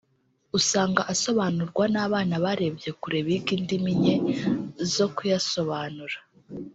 usanga asobanurwa n’abana barebye kure biga indimi nke zo kuyasobanura